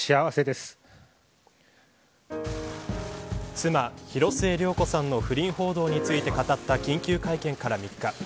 妻、広末涼子さんの不倫報道について語った緊急会見から３日。